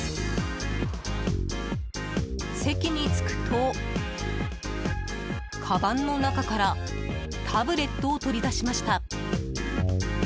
席に着くと、かばんの中からタブレットを取り出しました。